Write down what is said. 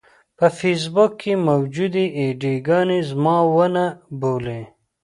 په فېسبوک کې موجودې اې ډي ګانې زما ونه بولي.